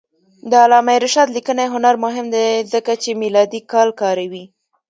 د علامه رشاد لیکنی هنر مهم دی ځکه چې میلادي کال کاروي.